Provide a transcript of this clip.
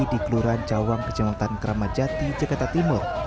di keluran cawang kejamaatan kramajati ceketa timur